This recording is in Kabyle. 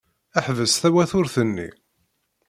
Ḥbes tawaturt-nni!